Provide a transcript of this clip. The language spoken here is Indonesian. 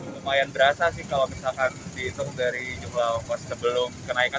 lumayan berasa sih kalau misalkan dihitung dari jumlah ongkos sebelum kenaikan